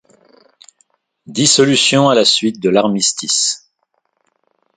Dissolution à la suite de l'armistice.